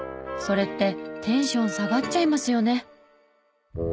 それってテンション下がっちゃいますよね。